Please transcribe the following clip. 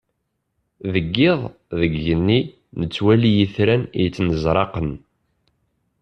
Deg yiḍ, deg yigenni, nettwali itran yettnezraqen.